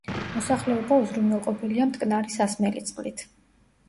მოსახლეობა უზრუნველყოფილია მტკნარი სასმელი წყლით.